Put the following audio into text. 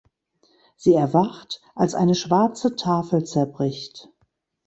Sie erwacht, als er eine schwarze Tafel zerbricht.